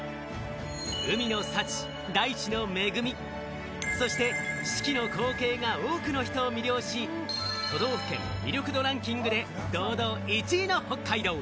海の幸、大地の恵、そして四季の光景が多くの人を魅了し、都道府県魅力度ランキングで堂々１位の北海道。